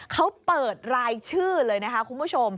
เขาเปิดรายชื่อเลยนะคะคุณผู้ชม